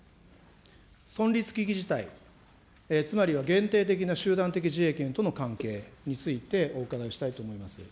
存立危機事態、つまりは限定的な集団的自衛権との関係についてお伺いしたいと思います。